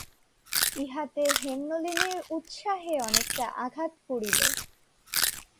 ইহাতে হেমনলিনীর উৎসাহে অনেকটা আঘাত পড়িল।